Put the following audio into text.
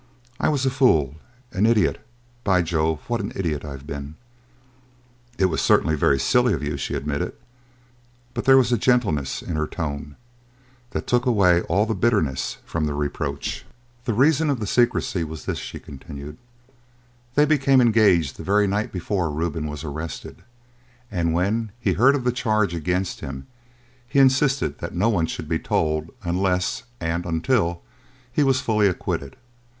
"I was a fool, an idiot by Jove, what an idiot I have been!" "It was certainly very silly of you," she admitted; but there was a gentleness in her tone that took away all bitterness from the reproach. "The reason of the secrecy was this," she continued; "they became engaged the very night before Reuben was arrested, and, when he heard of the charge against him, he insisted that no one should be told unless, and until, he was fully acquitted.